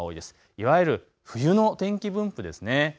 いわゆる冬の天気分布ですね。